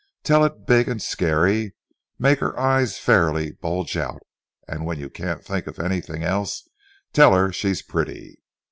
Tell it big and scary. Make her eyes fairly bulge out, and when you can't think of anything else, tell her she's pretty."